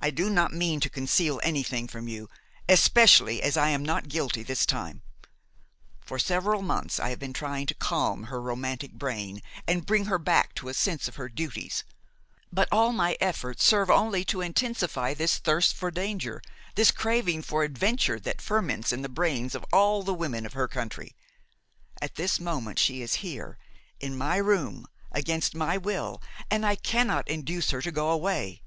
"I do not mean to conceal anything from you, especially as I am not guilty this time. For several months I have been trying to calm her romantic brain and bring her back to a sense of her duties; but all my efforts serve only to intensify this thirst for danger, this craving for adventure that ferments in the brains of all the women of her country. At this moment she is here, in my room, against my will, and I cannot induce her to go away."